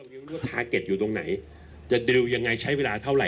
ยากมากอะนะฮะที่จะ